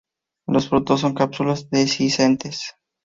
Los frutos son cápsulas dehiscentes.